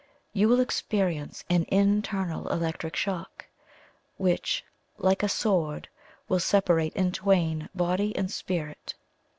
You will experience an INTERNAL electric shock, which, like a sword, will separate in twain body and spirit.